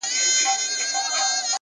هره ورځ د اصلاح امکان لري.!